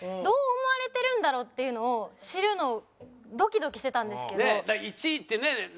どう思われてるんだろうっていうのを知るのドキドキしてたんですけど。